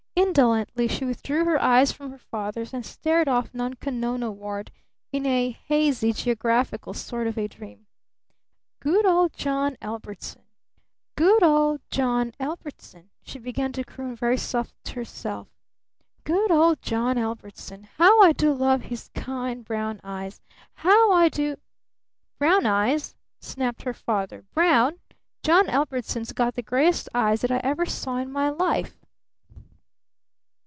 Indolently she withdrew her eyes from her father's and stared off Nunko Nonoward in a hazy, geographical sort of a dream. "Good old John Ellbertson good old John Ellbertson," she began to croon very softly to herself. "Good old John Ellbertson. How I do love his kind brown eyes how I do " "Brown eyes?" snapped her father. "Brown? John Ellbertson's got the grayest eyes that I ever saw in my life!"